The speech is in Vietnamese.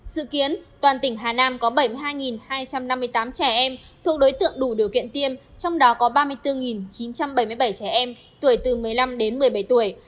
sự kiến toàn tỉnh hà nam có bảy mươi hai hai trăm năm mươi tám trẻ em thuộc đối tượng đủ điều kiện tiêm trong đó có ba mươi bốn chín trăm bảy mươi bảy trẻ em tuổi từ một mươi năm đến một mươi bảy tuổi ba mươi bảy hai trăm tám mươi một trẻ em độ tuổi từ một mươi hai đến một mươi bốn tuổi